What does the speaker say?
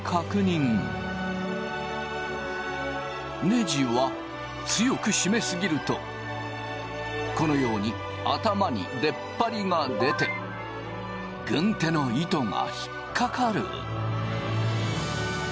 ネジは強く締め過ぎるとこのように頭にでっぱりが出て軍手の糸が引っ掛かる。